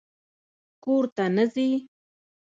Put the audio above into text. _کور ته نه ځې؟